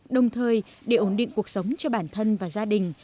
đồng thời để ổn định cuộc sống cho bản thân và gia đình